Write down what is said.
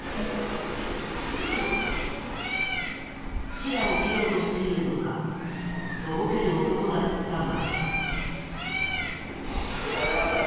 しらを切ろうとしているのかとぼける男だったが。